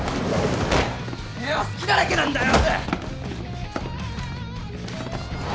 てめえは隙だらけなんだよ！